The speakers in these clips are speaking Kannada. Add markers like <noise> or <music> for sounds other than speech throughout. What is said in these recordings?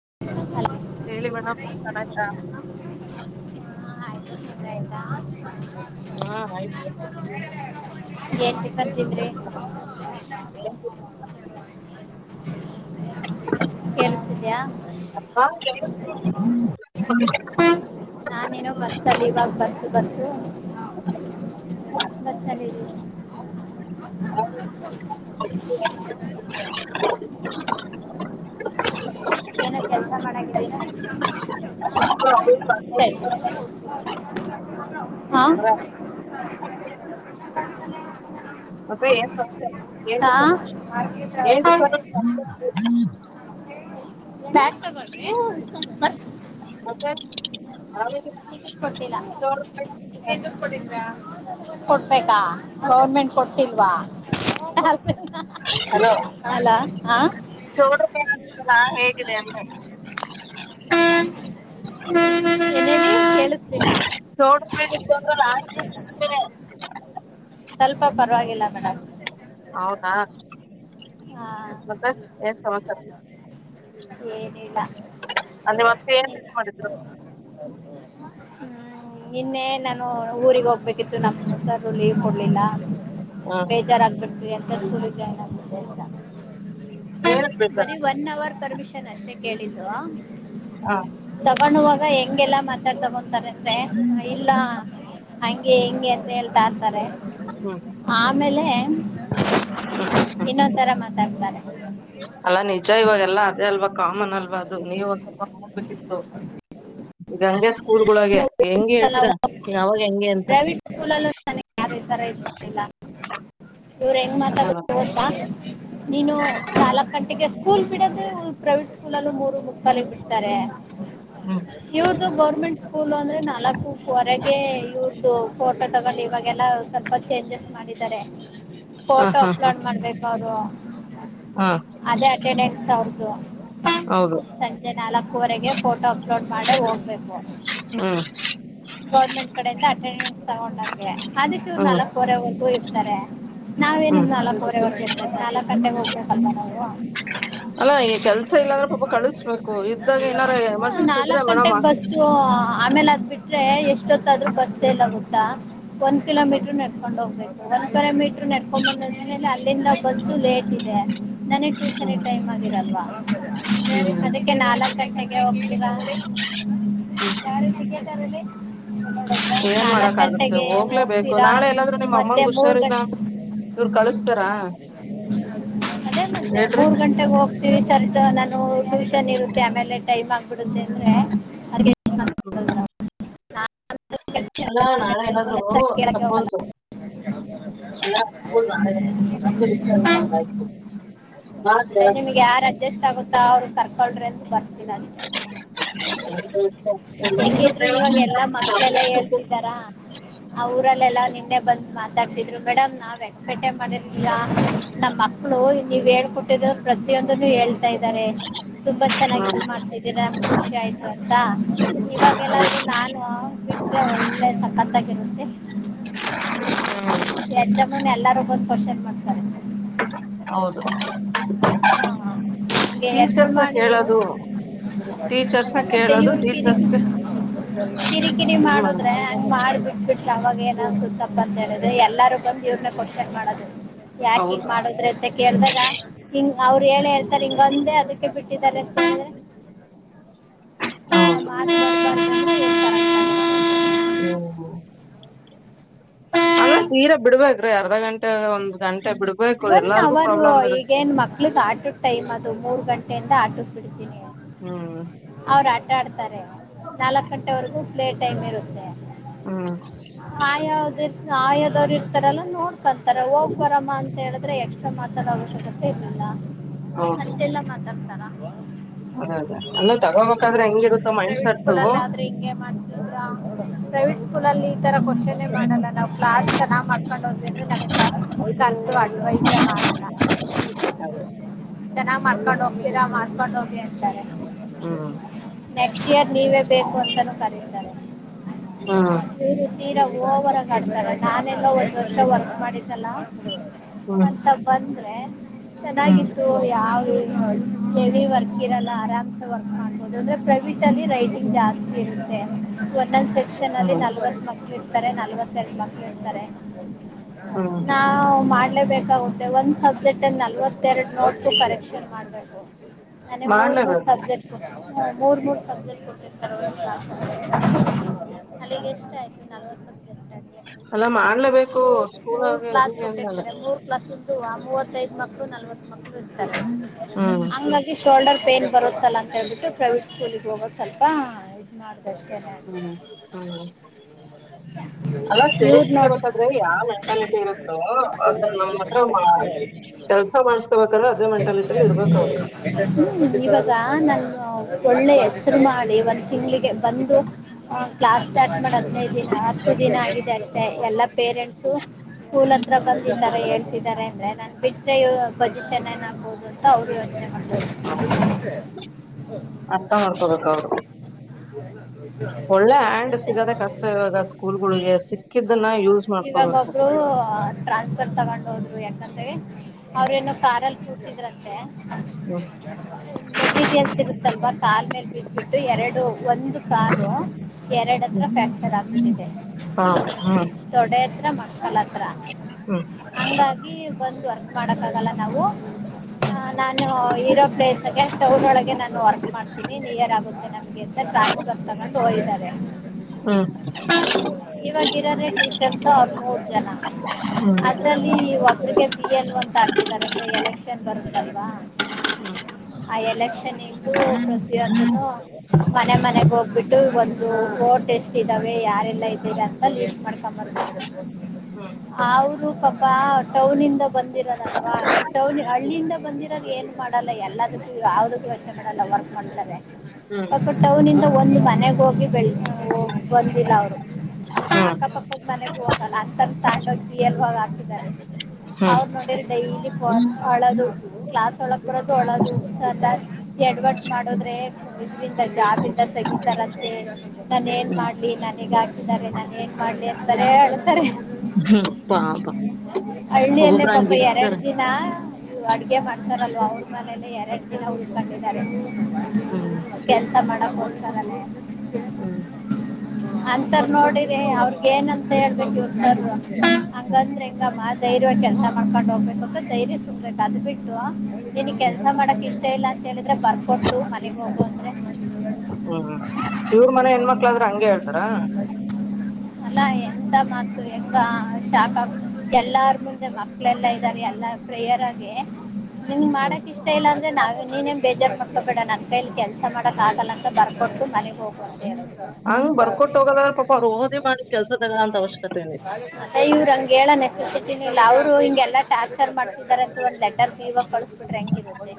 <inaudible> ಹೇಳಿ ಮೇಡಂ ಟಿಫಿನ್ ಆಯ್ತಾ ಹಾ ಆಯ್ತು ತಿಂಡಿ ಆಯ್ತಾ ಹಾ ಆಯ್ತು ಏನ ಟಿಫಿನ್ ತಿಂದರೀ <inaudible> ಕೆಳಸ್ತಿದಿಯಾ ನಾನೇನು ಬಸ್ಸಲ್ಲಿ ಇವಾಗ ಬಂತು ಬಸ್ಸು ಬಸ್ ಅಲ್ಲೀ ಇದೀನಿ <inaudible> ಏನೋ ಕೆಲ್ಸ ಮಾಡಾಗಿದ್ದೀರಾ ಸರಿ ಹಾ ಮತ್ತೆ ಏನ್ ಸಮಾಚಾರ ಹಾ ಎನ್ <unintelligible> ಬ್ಯಾಗ ತಗಳ್ರಿ ಮತ್ತೆ ಆರಾಮಿದ್ದೀರಾ ಟಿಕಿಟ್ ಕೊಟ್ಟಿಲ್ಲ ನೀವೇನ್ ದುಡ್ಡು ಕೊಟ್ಟಿದ್ರ ಕೊಡ್ಬೇಕಾ ಗೌರ್ಮೆಂಟ್ ಕೊಟ್ಟಿಲ್ವಾ ಸ್ಯಾಲರಿ ನಾ ಹಲೋ ಹಲೋ <unintelligible> ಹ್ಮ್ ಕೇಳಿಸ್ತಿಲ್ಲ ಸೋಡ ಸ್ವಲ್ಪ ಪರವಾಗಿಲ್ಲ ಮೇಡಮ್ ಹೌದಾ ಹಾ ಮತ್ತೆ ಏನ್ ಸಮಾಚಾರ ಏನಿಲ್ಲ ಅಲ್ಲಿ ಮತ್ತೆ ಏನ್ ತಿಂಡಿ <inaudible> ಹ್ಮ್ ನಿನ್ನೆ ನಾನು ಊರಿಗ ಹೋಗ್ಬೇಕಿತ್ತು ನಮ್ ಸರು ಲೀವ್ ಕೊಡ್ಲಿಲ್ಲ ಹ್ಮ್ ಬೇಜಾರಾಗಬಿಡ್ತು ಎಂತ ಸ್ಕೂಲ್ಗೆ ಜಾಯಿನ್ ಆಗ್ಬಟೀ ಅಂತಾ ಏನ್ ಬೇಕಾರ ಬರೀ ಒನ್ ಅವರ್ ಪರ್ಮಿಷನ್ ಅಷ್ಟೇ ಕೇಳಿದ್ದು ಹಾ ತಗೊಂಡುವಾಗ ಹೆಂಗೆಲ್ಲಾ ಮಾತಾಡ್ ತಗೊಂತಾರಂದ್ರೆ ಹ್ಮ್ ಇಲ್ಲ ಹಂಗೆ ಹಿಂಗೆ ಅಂತ ಹೇಳಿ ತೂಗೊಳ್ತಾರೆ ಆಮೇಲೆ ಇನೊಂದ ತರ ಮಾತಾಡ್ತಾರೆ ಅಲ್ಲಾ ನಿಜ ಇವಾಗೆಲ್ಲಾ ಅದೇ ಅಲ್ವಾ ಕಾಮನ್ ಅಲ್ವಾ ಅದು ನೀವು ಸ್ವಲ್ಪ ನೋಡ್ಬೇಕಿತ್ತು ತ್ಯಂಕ್ ಯು ಈ ಗಂಗೇಶ ಸ್ಕೂಲ್ಗಳೊಳಗೆ ಹೆಂಗೆ ಹೇಳ್ತೀರಾ ಯಾವಾಗ ಹೆಂಗೆ ಅಂತ ಪ್ರೈವೇಟ್ ಸ್ಕೂಲಲ್ಲೂ ನನಗೆ ಯಾರು ಈ ತರಾ ಇರೋದಿಲ್ಲ ಇವ್ರ ಹೆಂಗ್ ಮಾತ ಅದಲ್ಲಪ್ಪ ಗತ್ತಾ ನೀನು ನಾಲ್ಕ್ ಗಂಟೆಗೆ ಸ್ಕೂಲ್ ಬಿಡದ ಪ್ರೈವೇಟ್ ಸ್ಕೂಲ್ಲ್ಲೂ ಮೂರು ಮುಕ್ಕಾಲ ಬಿಡ್ತಾರೆ ಹ್ಮ್ ಇವ್ರದು ಗೌರ್ಮೆಂಟ್ ಸ್ಕೂ ಸ್ಕೂಲು ಅಂದ್ರೆ ನಾಲ್ಕು ವರಗೆ ಇವರದು ಫೋಟೋ ತಗೊಂಡು ಇವಾಗ ಎಲ್ಲ ಸ್ವಲ್ಪ ಚೇಂಜಸ್ ಮಾಡಿದ್ದಾರೆ ಹ ಫೋಟೋ ಹಾ ಹಾ ಅಪ್ಲೋಡ್ ಮಾಡ್ಬೇಕ ಅದು ಹಾ ಅದೇ ಅಟೆಂಡೆನ್ಸ್ ಹೌದು ಹೌದು ಸಂಜೆ ನಾಲ್ಕುವರೆಗೆ ಫೋಟೋ ಅಪ್ಲೋಡ್ ಮಾಡೇ ಹೋಗ್ಬೇಕು ಹ್ಮ್ ಗೌರ್ಮೆಂಟ್ ಕಡೆಯಿಂದ ಅಟೆಂಡೆನ್ಸ್ ತಗೊಂಡೆ ಅದಕ್ಕೆವ್ರು ಹ್ಮ್ ನಾಲ್ಕುವರೆವರೆಗೂ ಇರ್ತಾರೆ ನಾವೇನ್ ಹ್ಮ್ ನಾಲ್ಕೂವರೆವರೆಗೂ ಇರ ಸಾಲ ಕಟ್ಟೆಗೆ ಹೋಗ್ಬೇಕ ಸ್ವಲ್ಪ ನಾವು ಅಲ್ಲಾ ಈ ಕೆಲ್ಸ ಇಲ್ಲಾಂದ್ರೆ ಪಾಪ ಕಳಿಸ್ಬೇಕು ಇದ್ದಾಗ ಏನಾರ <inaudible> ಎಮರ್ಜೆನ್ಸಿ ಇದ್ರೆ ನಾಲ್ಕ್ ಮೇಡಮ್ ಗಂಟೆಗೆ ಬಸ್ಸು ಆಮೇಲೆ ಅದ್ ಬಿಟ್ರೆ ಎಷ್ಟೊತ್ತಾದ್ರೂ ಬಸ್ಸ ಎಲ್ಲ ಗುತ್ತಾ ಒಂದ್ ಹ್ಮ್ ಕಿಲೋಮೀಟ್ರ ನಡ್ಕೊಂಡ್ ಹೋಗ್ಬೇಕು ಒಂದ ಕಿಲೋ ಮೀಟ್ರ ನೆಡ್ಕೊಂಡ ಬಂದಂದ್ಮೇಲೆ ಅಲ್ಲಿಂದ ಬಸ್ಸು ಲೇಟ್ ಇದೆ ನನ ಟ್ಯೂಷನ್ ಹ್ಮ್ ಟೈಮ್ ಆಗಿರಲ್ವಾ ಅದಕ್ಕೆ ನಾಲ್ಕ್ ಗಂಟೆಗೆ ಹೋಗ್ರ ಹ್ಮ ಸಿಗ್ ತರಲ್ಲಿ <unintelligible> ಏನ್ ಮಾಡಕ್ ಆಾಗುತ್ತೆ ಹೋಗ್ಲೇಬೇಕು ಹೋಗ್ತೀರಾ ನಾಳೆ ಎನಾದ್ರೂ ನಿಮ್ಮ ಮತ್ತೆ ಅಮ್ಮನ್ ಮೂರ್ ಹುಷಾರಿದ ಗಂಟೆ ಇವರು ಕಳಸ್ತಾರ ಅದೇ ಮತ್ತೆ ಹೇಳ್ರಿ ಮೂರ್ ಗಂಟೆೆಗೆ ಹೋಗ್ತೀವಿ ಸರ್ ನಾನು ಟ್ಯೂಷನ್ ಇರುತ್ತೆ ಆಮೇಲೆ ಟೈಮ್ ಆಗ್ಬಿಡುತ್ತೆ ಅಂದ್ರೆ ಅ ಅಲ್ಲ ನಾಳೆ ನಾದ್ರು ಕೇಳಕ್ಕೆ ಹೋಗಲ್ಲ ಸಪೋಸ್ ಎಲ್ಲ ನ <unintelligible> ಅದೇ ನಿಮ್ಗೆ ಯಾರ್ ಅಡ್ಜಸ್ಟ್ ಆಗುತ್ತೋ ಅವ್ರು ಕರ್ಕಳ್ರಿ ಅಂತ ಬರ್ ಇಲ್ಲಷ್ಟೆ ಹೆೇಗಿದ್ರು ಇವಾಗ ಎಲ್ಲಾ ಮಕ್ಳಲ್ಲಾ ಹೇಳ್ತಿದ್ದಾರ ಊರಲ್ಲೆಲ್ಲ ನಿನ್ನೆ ಬಂದ್ ಮ ಮಾತಾಡ್ತಿದ್ರು ಮೇಡಮ್ ನಾವ್ ಎಕ್ಸ್ಪೆಕ್ಟ್ ಮಾಡಿರ್ ನಮ್ಮ್ ಮಕ್ಳು ನೀವ ಹೇಳ್ಕೊಟ್ಟಿರ ಪ್ರತಿಯೊಂದನ್ನು ಹೇಳ್ತಾ ಇದ್ದಾರೆ ತುಂಬಾ ಚೆನ್ನಾಗ ಇ ಮಾಡ್ತಾಿದ್ದೀರ ನಮ್ ಖುಷಿ ಆಯ್ತು ಅಂತ ಇವಾಗ ಎಲ್ಲಾದ್ರೂ ನಾನು ಬಿಟ್ರೆ ಒಳ್ಳೆ ಸಕತ್ತಾಗಿರುತ್ತೆ ಎಸಮನ್ ಎಲ್ಲಾರೋಗೊಂದು್ ಕ್ವಶನ್ ಮಾಡ್ತಾರೆ ಹೌದು ಹ ಹಾಗೆ ಹೆಸರು ಟೀಚರ್ಸ್ ನ ಮಾಡಿ ಕೇಳೋದು ಟೀಚರ್ಸ್ ನ ಅೆ ಮತ್ತೆ ಕೇಳೋದು ಇವರು ಕಿರಿ ಟೀಚರ್ಸ್ಗೆ ಕಿರಿಕಿರಿ ಇದ್ ಮಾಡುದು ಮಾಡದ್ರೆ ಹಂಗ ಮಾಡ್ಬ ಅವಾವಾಗ ಏನ ಸುತ್ತಪ್ಪ ಅಂತ ಹೇಳ್ರ ಎಲ್ಲಾರೂ ಬಂದ್ ಇವ್ರನ್ನ ಕ್ವಶನ್ ಮಾಡೋದ ಯಾಕ ಹಿಂಗ ಹೌದು ಮಾಡದ್ರ ಅಂತ ಕೇಳ್ದಾಗ ಹಿಂಗ್ ಅವ್ರು ಹೇಳಿ ಹೇಳ್ತಾರೆ ಹಿಂಗೊಂದೇ ಅದಕ್ಕೆ ಬಿಟ್ಟಿದ್ದಾರೆ ಹೇಳಿದ್ರೆ <inaudible> ಹೌದು ಹ್ಮ ಅಲ್ಲ ತೀರಾ ಬಿಡ್ಬೇಕ ಅರ್ಧ ಗಂಟೆ ಒಂದ ಗಂಟೆ ಬಿಡ್ ಒನ್ ಅವರು ಈಗೇನ್ ಮಕ್ಳಗ್ ಆಟದ ಟೈಮ್ ಅದು ಮೂರ್ ಗಂಟೆಯಿಂದ ಆಟೋ ಬಿಡ್ತೀನಿ ಹ್ಮ್ ಅವ್ರು ಆಟ ಆಡ್ತಾರೆ ನಾಲ್ಕಕ್ ಗಂಟೆವರೆಗೂ ಪ್ಲೇ ಟೈಮ್ ಇರುತ್ತೆ ಹ್ಮ್ ಯದವ್ರು ಇರ್ತಾರಲ್ಲ ನೋಡ್ಕೊಂತಾರೆ ಹೋಗ್ ಬರಮ್ಮ ಅಂತ ಅ ಹೇಳಿದ್ರೆ ಎಕ್ಸ್ಟ್ರಾ ಮಾತಾಡೋ ಅವಶ್ಯಕತೆ ಇರ್ಲಿಲ್ಲ ಹೌದು ಅಷ್ಟೆಲ್ಲಾ ಮಾತಾಡ್ತಾರ <inaudible> ಅದೇ ಅದೇ ಅಲ್ಲ ತಗೋಬೇಕಾದ್ರೆ ಹೆಂಗಿರುತ್ತೋ ಮೈಂಡ್ ಪ್ರೈವಟ್ ಸೆಟ್ ಸ್ಕೂಲ್ಲ್ಲ ಅದೇ ಆದ್ರೆ ಹಿಂಗಗೆ ಮಾಡ್ತಿದ್ರ ಪ್ರೈವೇಟ್ ಸ್ಕೂಲಲ್ಲಿ ಈ ತರ ಕ್ವಶನ್ೇ ಮಾಡಲ್ಲ ನಾವು ಕ್ಲಾಸ್ ಚೆನ್ನ್ ಮಾಡಕೊಂಡ್ ಹೋ್ ಅಂದ್ರೆ ನಮ ವಯಸೆ ಮಾಡಣ ಚೆನ್ನಾಗ್ ಮಾಡ್ಕೊಂಡ್ ಹೋಗ್ತೀರಾ ಮಾಡ್ಕೊಂಡ್ ಹೋಗಿ ಹ್ಮ್ ನೆಕ್ಸ್ಟ್ ಇಯರ್ ನೀವೇ ಬೇಕು ಅಂತನೂ ಕರೀತಾರೆ ಹ್ಮ್ <inaudible> ತೀರಾ ಹಓವರಗ ಆಡ್ತಾರ ನಾನೆಲ್ಲ ಒಂದ್ ವರ್ಷ ವರ್ಕ್ ಮಾಡಿದ್ದಲ್ಲ ಹ್ಮ್ ಮತ್ತ ಬಂದ್ರೆ ಹ್ಮ್ ಚೆನ್ನಾಗಿತ್ತು ಯಾವ ವಿ ವರ್ಕ್ ಇರಲ್ಲ ಆರಾಮ್ಸ ವರ್ಕ್ ಮಾಡಬ ಅಂದ್ರೆ ಪ್ರೈವಟ್ ಅಲ್ಲಿ ರೈಟಿಂಗ್ ಜಾಸ್ತಿ ಇರುತ್ತೆ ಒಂದೊಂದ್ ಸೆಕ್ಷನ್ ಅಲ್ಲಿ ಹ್ಮ್ ನಲ್ವತ್ತ ಮಕ್ಕಳ <unintelligible> ಇರ್ತರೆ ನಲ್ವತ್ತೆರಡ ಮಕ್ಕಳು ಇರ್ತಾರೆ ಹ್ಮ್ ನಾವ ಮಾಡ <unintelligible> ಮಾಡಲೇ ಬೇಕಾಗುತ್ತೆ ಒಂದ್ ಸಬ್ಜೆಕ್ಟ ಗ ನಲ್ವತ್ತೆರಡು ನೋಟ್ ಕರೆಕ್ಷನ್ ಮಾಡ್ಬೇಕು. <unintelligible> ನನಗ ಮೂರ್ ಮೂರ್ ಮಾಡ್ಲೇಬೇಕು ಸಬ್ಜೆಕ್ಟ್ ಕೊ ಮೂರ್ ಮೂರ್ ಸಬ್ಜೆಕ್ಟ್ ಕೊಟ್ಟಿರ್ತಾರೆ ಹೊಳ್ಳೆ ಮಳ್ಳ <unintelligible> ಹು <unintelligible> ಅಲ್ಲಿಗೆ ಎಷ್ಟ ಆಯ್ತು ನಲ್ವತ್ತ ಸಬ <unintelligible> ಅಲ್ಲಾ ಮಾಡ್ಲೇಬೇಕು ಸ್ಕೂಲ್ ಗ ಇದೀವಿ ಅಂದಲ್ಲ. <unintelligible> ಮೂರ್ ಕ್ಲಾಸ್ ಇತ್ತು ಆ ಮೂವತ್ತೈದ ಮಕ್ಕಳು ನಲ್ವತ್ತ ಮಕ್ಕಳು ಇರ್ತಾರೆ ಹ್ಮ್ ಹಂಗ ಆಗಿ <unintelligible> ಶೋಲ್ಡರ್ ಪೈನ್ ಬರುತ್ತಲ್ಲ ಅಂತಳ್ಬಿಟ್ಟು ಪ್ರೈವೇಟ್ ಸ್ಕೂಲಿಗೆ ಹೋಗೋದು ಸ್ವಲ್ಪ ಇದು ಮಾಡ್ <unintelligible> ಹೂ ಹಾ <unintelligible> ಅಲ್ಲ ಇವ್ರು ಪೇರೆಂಟ್ಸ್ ಇಂದ ಗೊತ್ತ ನೋಡ್ರಿ ಆದರೆ ಯಾವ ಮೆಂಟಾಲಿಟಿ ಇರುತ್ತೋ? <unintelligible> ಅದ ನಮ್ಮ ಹತ್ರ ಮಾ ಕೆಲಸಾ ಮಾಡಸ್ಕೊಬೇಕಾದ್ರೆ ಅದೇ ಮೆಂಟಾಲಿಟಿಲಿ ಇರ್ಬೇಕ ಅವ್ರ <unintelligible> ಇವಾಗ? ಹ್ಮ್ <unintelligible> ನಾ ನ್ನನು ಒಳ್ಳೆ ಹೆಸರು ಮಾಡಿ ಒಂದ್ ತಿಂಗಳಿಗೆ ಬಂದು ಕ್ಲಾಸ್ ಸ್ಟಾರ್ಟ್ ಮಾಡನಾ <unintelligible> ಹದಿನೈದ ದಿನ ಹತ್ತು ದಿನ ಆಗಿದೆ ಅಷ್ಟೇ ಎಲ್ಲಾ ಪೇರೆಂಟ್ಸು <unintelligible> ಹತ್ರ ಬಂದ ಇತರ ಹೇಳ್ತಿದ್ದಾರೆ ಅಂದ್ರೆ ನ ನನ್ನ ಬಿಟ್ಟ ಇವರ ಪೊಸಿಷನ್ ಏನ್ ಆಗಬಹುದು. <unintelligible> ಇಲ್ಲಾ ಅವರು ಅದನ್ನೇ ಮಾಡಬೇಕು? ಅರ್ಥ ಮಾಡ್ಕೋಬೇಕು ಅವ್ರು <unintelligible> ಮತ್ತೆ? <inaudible> ಒಳ್ಳೆ ಹ್ಯಾಂಡ್ ಸಿಗದ ಕಷ್ಟ ಇವಾಗ ಸ್ಕೂಲ್ಗಳಿಗೆ ಸಿಕ್ಕಿದ್ದನ್ನ ಯೂಸ್ <unintelligible> ಇವಾಗ ಮಾಡ್ಕೋಬೇಕು ಒಬ್ರು ಟ್ರಾನ್ಸ್ಫರ್ ತಗೊಂಡ್ ಹೋದ್ರು ಯಾಕ ಅಂದರೆ ಅವರ ಏನೋ ಕಾ <unintelligible> ಇದರಲ್ಲಿ ಕೂತಿದ್ರಂತೆ? <unintelligible> ಮೆಟೀರಿಯಲ್ಸ್ ಇರುತ್ತಲ್ವಾ ಕಾಲಾ ಮೇಲೆ ಬಿದ್ದ ಬಿಟ್ಟು ಎರಡು <unintelligible> ಒಂದು ಕಾಲು ಎರಡ ಹತ್ರ ಹ್ಮ್ ಫ್ರ್ಯಾಕ್ಚರ್ ಆಗ್ತಿದೆ ಹಾ ಹ್ಮ್ ತೊಡೇ <unintelligible> ಕೆಲಸಾ ಮಾಡಸಲ್ಲ ಹತ್ರ ಹಂಗಾಗಿ ಬಂದು ವರ್ಕ್ ಮಾಡಕ್ ಆಗಲ್ಲ ನಾವು <unintelligible> <unintelligible> ಹ ನಾನು ಇರೋ ಪ್ಲೇಸ್ಗೆ ಟೌನ್ ಒಳಗೆ ನಾನು ವರ್ಕ್ ಮಾಡ್ತೀನಿ ನಿಯರ್ ಆಗುತ್ತೆ ನಮಗೆ <unintelligible> ಅಲೇ ಟ್ರಾನ್ಸ್ಫರ್ ತಗೊಂಡು ಹೋಇದರೆ? <unintelligible> ಹೂ <unintelligible> ಇರೋದೇ ಟೀಚರ್ಸ್ ಹದಮ್ಮೂರ ಜನ ಹ್ಮ್ ಹ್ಮ್ ಅದ್ರಲ್ಲಿ ಇ ಒಬ್ಬ <unintelligible> ಅದಕ್ಕೆ ಪಿ ಎ ಲ್ ಅಂತ ಹಾಕಿದ್ದಾರೆ ಅಂದ್ರೆ ಎಲೆಕ್ಷನ್ ಬರುತ್ತಲ್ವಾ? <unintelligible> <unintelligible> ಆ ಎಲೆಕ್ಷನಿಗೂ ಪ್ರತಿಯೊಂದನ್ನು- <unintelligible> ಮನೆ ಮನೆಗ್ ಹೋಗ್ಬಿಟ್ಟು ಒಂದು ಓಟ್ ಎಷ್ಟ ಇದ್ದಾವೆ ಯಾರೆಲ್ಲಾ ಇದಿರಾ ಅಂತ ಲಿಸ್ಟ್ ಮಾಡ್ಕೊಂಬನಂದರು? <unintelligible> ಹ್ಮ್ <unintelligible> ಅವರು ಪಾಪಾ ಟೌನ ಇಂದ ಬಂದಿರಾರಲ್ವಾ ಈ ಟೌನ್ ಹಳ್ಳಿಯಿಂದ ಬಂದಿರೋ ಏನ್? <unintelligible> ಏನ್ ಮಾಡಲ್ಲ ಎಲ್ಲದಕ್ಕೂ ಯಾವದಕ್ಕೂ ಯೋಚನೆ ಮಾಡಲ್ಲ ವರ್ಕ್ ಮಾಡಾತ್ತಾರೆ? <unintelligible> ಅದಕ್ಕ ಟೌನ ಇಂದ ಒಂದ್ ಮನೆಗ ಹೋಗಿ ಬೆಳೋಗ ಬಂದಿಲ್ಲ ಅವರು <unintelligible> ಹ್ಮ್ ಹ್ಮ್ ಅಕ್ಕ ಪಕ್ಕದ ಮನೆಗೂ ಹೋಗಲ್ಲ ಅಂತ ತಾಂಡಾಡೋಗ್ ಜಿ ಎಲ್ ಹೋಗ ಹಾಕಿದ್ದಾರೆ. <unintelligible> ಹ್ಮ್ ಅವರ ನೋಡಿದರ್ ಡೈಲಿ ಪೋನು ಅಳದು ಕ್ಲಾಸ್ ಒಳಗ್ ಬರೋದು ಅಳದು ಸರ್ ದೇಯಾಟ್ <unintelligible> ಎಡವಟ್ಟ ಮಾಡದ್ರೆ? <unintelligible> ಇದರಿಂದ ಜಾಬಿಂದ ತಗಿತಾರಂತೆ ನಾನ ಏನ್ ಮಾಡ್ಲಿ ನನೀಗ ಹಾಕಿದ್ದಾರೆ ನಾನ ಏನ್ ಮಾಡ್ <unintelligible> ಲೀ ಬೇರೆ ಅಳ್ತಾರೆ? <unintelligible> ಹೂ ಪಾಪ್. <unintelligible> ಹಳ್ಳಿಯಲ್ಲೇ ಪಾಪ ಎರಡು ದಿನ ಅಡಗೆ ಮಾಡ್ತಾರಲ್ವಾ ಅವ <unintelligible> ನಿಮ್ಮ ಮನೇಯಲ್ಲಿ ಎರಡ್ ದಿನ ಉಳ್ಕೊಂಡಿದ್ದಾರೆ ಹ್ಮ್ ಕೆಲಸಾ ಮಾಡಕ್ಕೋಸ್ಕರನೆ. <unintelligible> ಹು <unintelligible> ಅಂತರ್ ನೋಡರಿ ಅವ್ರಗ ಏನ್ಂತ ಹೇಳ್ಬೇಕ ಇವ್ರ ಹ್ಮ್ ಸರ್ವ ಹ್ಮ್ ಹಂಗಂದ್ರೆ ಹಂಗ ಅಮ್ಮ <unintelligible> ಧೈರ್ಯವಾಗಿ ಕೆಲಸಾ ಮಾಡ್ಕೊಂಡ್ ಹೋಗ್ಬೇಕು ಅಂತ್ ಧೈರ್ಯ ತುಂಬ್ಬೇಕು ಅದು ಬಿಟ್ಟು ನೀನಗ ಹ್ಮ್ ಕೆಲಸಾ ಮಾಡಕ್ ಇಷ್ಟ <unintelligible> ಇಷ್ಟ ಇಲ್ಲ ಅಂತ ಹೇಳಿದ್ರೆ ಬರ ಕೊಟ್ಟು ಮನೆಗ <unintelligible> ಹು ಹು ಇವ್ರ ಮನೆ ಹೆಣ್ಮಕ್ಳಾದ್ರೆ ಹಂಗೆ ಹೇಳ್ತಾರ? <unintelligible> ಅಲ್ಲಾ ಎಂತ ಮಾತು ಹೇಳದ ಶಾಕ್ ಆಗ ಬಿಟ್ಟು ಎಲ್ಲಾರು ಮುಂದೆ ಮಕ್ಳೆಲ್ಲ ಇದರು. <unintelligible> ನಾನ್ ಎಲ್ಲ ಪ್ರೇಯರ್ ಆಗಿ ನಿನಗ್ ಹ್ಮ್ ಮಾಡಕ್ ಇಷ್ಟ ಇಲ್ಲ ಅ ನಾವೇ ನೀನೇನ್ ಬೇಜಾರ್ ಮಾಡ್ಕೋಬೇಡ ನನ್ ಕೈಲಿ ಕೆಲ್ಸ ಮಾಡಕ್ ಆಗಲ್ಲ ಅಂತ ಬರ್ಕೊಟ್ಟು ಮನೆ ಹೋಗು ಅಂತ ಹೇಳಿದ್ರು. ಹಂಗ್ ಬರ್ಕೊಟ್ಟ ಹೋಗೋದಾದ್ರ ಪಾಪ ಅವ್ರು ಓದಿ ಮಾಡಿ ಕೆಲ್ಸ ತಗೊಳ್ಳಂತ ಅವಶ್ಯಕತೆ ಏನಿತ್ತು ಇವ್ರ್ ಹಂಗ್ ಹೇಳೋ ನೆಸೆಸಿಟಿನೆ ಇಲ್ಲ ಅವರು ಹಿಂಗೆಲ್ಲ ಟಾರ್ಚರ್ ಮಾಡ್ತಿದ್ದಾರೆ ಅಂತ ಒಂದ್ ಲೆಟರ್ ಪೀವಾಗ ಕಳಸ್ಬಿಟ್ರೆ ಹೆಂಗಿರುತ್ತೆ.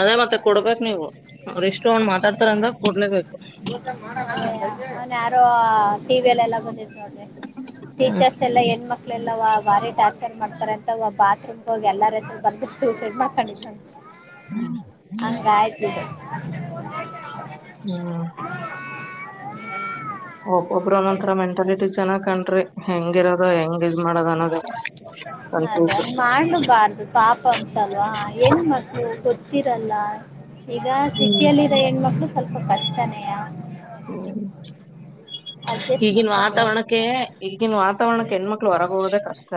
ಅದೇ ಮತ್ತೆ ಕೊಡ್ಬೇಕ್ ನೀವು. ಅವ್ರ ಇಷ್ಟು ಒಂದ್ ಮಾತಾಡ್ತಾರ ಅಂದಾಗ ಕೊಡ್ಲೇಬೇಕು ಅವ್ನ್ ಯಾರೋ ಟಿವಿಯಲ್ ಎಲ್ಲಾ ಬಂದೈತ್ ನೋಡ್ರಿ ಹ್ಮ್ ಟೀಚರ್ಸ್ ಎಲ್ಲಾ ಹೆಣ್ ಮಕ್ಳೆಲ್ಲವಾ ಬಾರಿ ಟಾರ್ಚರ್ ಮಾಡ್ತಾರೆ ಅಂತ ಅವ ಬಾತ್ರೂಮ್ ಹೋಗಿ ಎಲ್ಲಾರ ಹೆಸರು ಬರ್ದು ಸೂಸೈಡ್ ಮಾಡ್ಕೊಂಡಿದ್ನಂತೆ ಹಂಗ್ ಆಯ್ತ್ ಇದು. ಹ ಹ್ಮ್. ಒಬ್ಬೊಬ್ಬರು ಒಂದೊಂದ್ ತರಾ ಮೆಂಟಾಲಿಟಿ ಜನ ಕಣ್ರಿ ಹೆಂಗಿರೋದು ಹೆಂಗ್ ಇದ್ ಮಾಡೋದ್ ಅನ್ನೋದೇ ಅದೇ ಹಂಗ್ ಮಾಡ್ಲುಬಾರ್ದು ಪಾಪ ಅನ್ಸಲ್ವಾ ಹೆಣ್ ಮಕ್ಳು ಗೊತ್ತಿ ದಲ್ಲ ಈಗ ಹ್ಮ್ ಸಿಟಿಯಲ್ಲಿ ಇರೋ ಹೆಣ್ಮಕ್ಳು ಸ್ವಲ್ಪ ಕಷ್ಟನೇಯ. ಹ್ಮ್. ಅಡ್ಜಸ್ಟ್ ಈಗಿನ ಮಾಡ್ಕೊಂಡು ವಾತಾವರಣಕ್ಕೆ ಹೋಗ್ತಾರೆ ಈಗಿನ ವಾತಾವರಣಕ್ಕೆ ಹೆಣ್ಮಕ್ಳು ಹೊರಗ್ ಹೋಗೋದೇ ಕಷ್ಟ.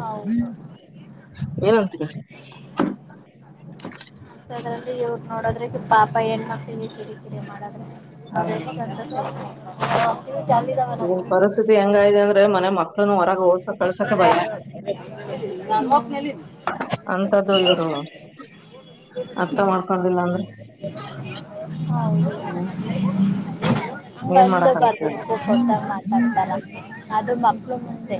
ಹೌದು. ಏನಂತೀರಿ ಅಂತದ್ರಲ್ಲಿ ಇವ್ರ್ ನೋಡೋದ್ರೆ ಇದು ಪಾಪ ಹೆಣ್ ಮಕ್ಳಿಗೆ ಕಿರಿ ಕಿರಿ ಮಾಡದ್ರೆ ಅವ್ರ್ ಎಷ್ಟ್ ಅಂತ ಸಹಿಸ್ಕೋತಾರೆ. ಈಗಿನ್ ಪರಿಸ್ಥಿತಿ ಹೆಂಗಾಗಿದೆ ಅಂದ್ರೆ ಮನೆ ಮಕ್ಳನು ಹೊರಗೆ ಹೋಲ್ಸ ಕಳ್ಸಕೆ ಭಯ. ಅಂತದ್ದು ಇವ್ರು ಅರ್ಥ ಹ್ಮ್. <inaudible> ಹೌದು. <inaudible> ಹ್ಮ್ ಏನ್ ಮಾಡಕ್ ಆಗ್ತದೆ ಕೊಟ್ಟ ಮಾತಾಡ್ತಾರಾ ಅದು ಮಕ್ಳು ಮುಂದೆ.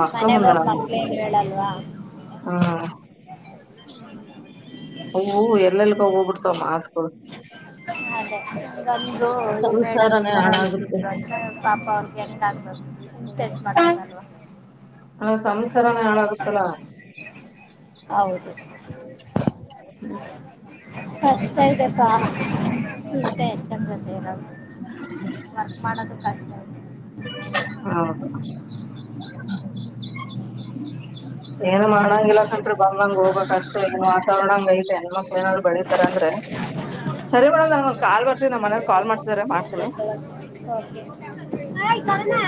ಮಕ್ಕಳ ಮನೆಗ ಮುಂದೆಲ್ಲ ಹೋಗ್ ಹಂಗ್ ಮಕ್ಳು ಏನ್ ಮಾತಾಡ್ಬಾರದು ಹೇಳಲ್ವಾ ಹ್ಮ್. ಅವು ಎಲ್ಲೆಲ್ಗೋ ಹೋಗ್ ಬಿಡ್ತವೆ ಮಾತ್ಗಳು. ಅದೇ ನಮ್ದು ಈ ಮೇಡಮ್ ಈ ಸಂಸಾರನೇ ತರ ಹಾಳಾಗುತ್ತೆ ಅಳ್ತಿದ್ರು ಅಂತ ಪಾಪ ಅವ್ರಿಗ್ ಹೆಂಗ್ <unintelligible> <inaudible> ಸೆಟ್ ಮಾಡ್ತನಲ್ವಾ. ಆ ಸಂಸಾರನೆ ಹಾಳಾಗುತ್ತಲ. ಹೌದು ಅ ಇದೆಪಾ <unintelligible> ಚೆಂದ ಜೊತೆ ಇರದು ವರ್ಕ್ ಮಾಡೋದು ಕಷ್ಟ ಇದೆ. ಹೌದು. ಏನ್ ಮಾಡಂಗಿಲ್ಲ ಕಣ್ರೀ ಬಂದಂಗ್ ಹೋಗಬೇಕ್ ಅಷ್ಟೇ ಈ ವಾತಾವರಣ ಹಂಗ್ ಐತೆ ಹೆಣ್ಮಕ್ಳ ಏನಾರ ಬೆಳೀತಾರೆ ಅಂದ್ರೆ <unintelligible> ಸರಿ ಮೇಡಮ್ ನಂಗೊಂದ್ ಕಾಲ್ ಬರ್ತಿದೆ ನಮ್ ಮನೆಯವ್ರ್ ಇದೆ. ಕಾಲ್ ಮಾಡ್ತಿದಾರೆ ಮಾಡ್ತೀನಿ. ಹಾಯ್ ಕವನ.